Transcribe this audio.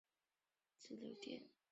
整流单元将交流电转化为直流电。